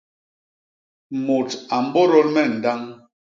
Mut a mbôdôl me ndañ.